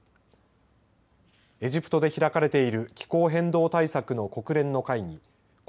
エジプトで開かれている気候変動対策の国連の会議